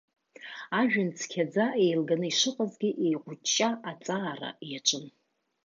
Ажәҩан цқьаӡа еилганы ишыҟазгьы, еиҟәыҷҷа аҵаара иаҿын.